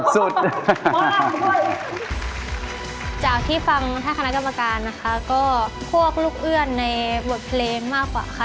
สุดมากจากที่ฟังถ้าคณะกรรมการนะคะก็พวกลูกเอื้อนในบทเพลงมากกว่าค่ะ